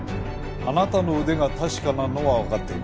あなたの腕が確かなのはわかっています。